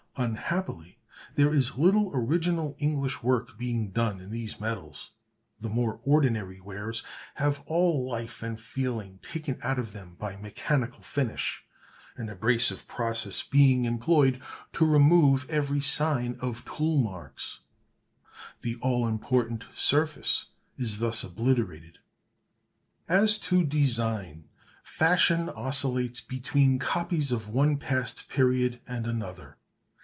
Unhappily there is little original English work being done in these metals. The more ordinary wares have all life and feeling taken out of them by mechanical finish, an abrasive process being employed to remove every sign of tool marks. The all important surface is thus obliterated. As to design, fashion oscillates between copies of one past period and another.